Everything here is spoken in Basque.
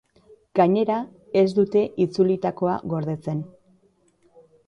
Gainera, ez dute itzulitakoa gordetzen.